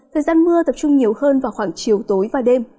thời gian mưa tập trung nhiều hơn vào khoảng chiều tối và đêm